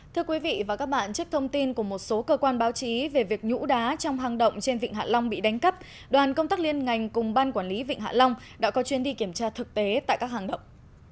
thưa quý vị và các bạn trước thông tin của một số cơ quan báo chí về việc nhũ đá trong hang động trên vịnh hạ long bị đánh cắp đoàn công tác liên ngành cùng ban quản lý vịnh hạ long đã có chuyến đi kiểm tra thực tế tại các hàng động